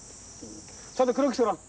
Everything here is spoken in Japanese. ちょっとクロックしてごらん。